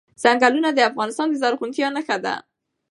چنګلونه د افغانستان د زرغونتیا نښه ده.